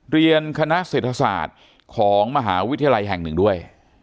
เรียนคณะเศรษฐศาสตร์ของมหาวิทยาลัยแห่งหนึ่งด้วย